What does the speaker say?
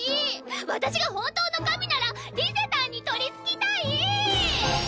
私が本当の神ならリゼたんに取り憑きたい！